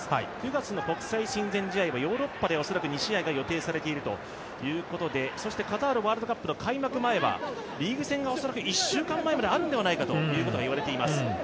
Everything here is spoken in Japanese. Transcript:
９月の国際親善試合はヨーロッパで恐らく２試合が予定されているということでそしてカタールワールドカップ開幕前はリーグ戦が恐らく１週間前まであるんではないかと言われています。